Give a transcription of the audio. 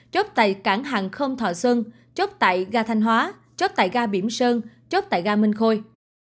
chốt tại cảng hàng không thọ xuân chốt tại ga thanh hóa chốt tại ga bỉm sơn chốt tại ga minh khôi